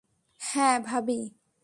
হ্যাঁ, ভাবি?